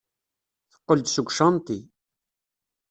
Teqqel-d seg ucanṭi.